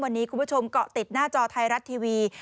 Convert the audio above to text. วันนี้คุณผู้ชมเกาะติดหน้าจอไทยรัฐทีวี